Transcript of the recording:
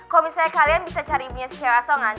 kalau misalnya kalian bisa cari ibunya cewek asongan